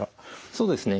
そうですね。